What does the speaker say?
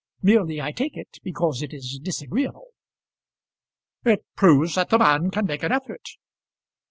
Merely, I take it, because it is disagreeable." "It proves that the man can make an effort."